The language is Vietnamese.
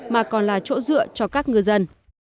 mà còn là chỗ dựa cho các ngư dân